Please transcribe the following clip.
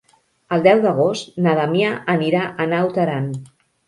El deu d'agost na Damià anirà a Naut Aran.